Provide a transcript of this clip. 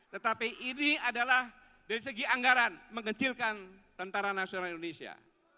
tetapi ini adalah dari segi anggaran mengecilkan tentara nasional indonesia